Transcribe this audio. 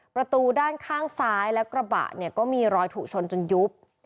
ประตูด้านข้างซ้ายและกระบะเนี่ยก็มีรอยถูกชนจนยุบ